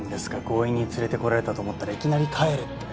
強引に連れてこられたと思ったらいきなり帰れって。